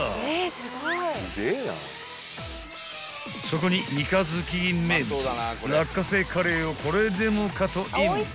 ［そこに三日月名物落花生カレーをこれでもかとイン］